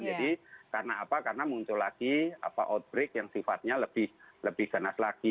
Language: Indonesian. jadi karena apa karena muncul lagi apa outbreak yang sifatnya lebih lebih jenaz lagi